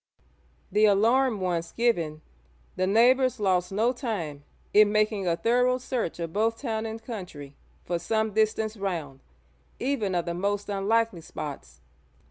The alarm once given, the neighbours lost no time in making a thorough search of both town and country for some distance round, even of the most unlikely spots.